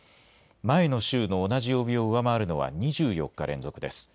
前の週の同じ曜日を上回るのは２４日連続です。